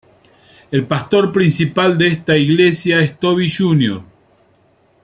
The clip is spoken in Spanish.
El pastor principal de esta iglesia es Toby Jr..